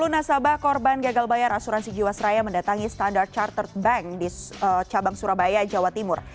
dua puluh nasabah korban gagal bayar asuransi jiwasraya mendatangi standard chartered bank di cabang surabaya jawa timur